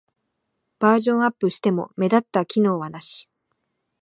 バージョンアップしても目立った機能はなし